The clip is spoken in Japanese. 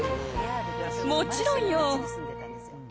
もちろんよ。